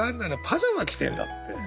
パジャマ着てんだって。